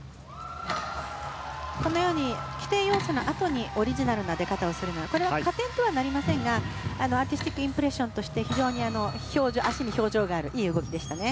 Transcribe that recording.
このように規定要素のあとにオリジナルな出方をするのでこれは加点とはなりませんがアーティスティックインプレッションとして非常に脚に表情があるいい動きでしたね。